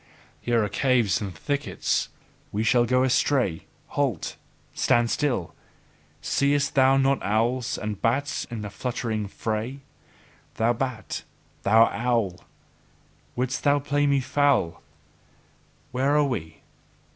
Here are caves and thickets: we shall go astray! Halt! Stand still! Seest thou not owls and bats in fluttering fray? Thou bat! Thou owl! Thou wouldst play me foul? Where are we?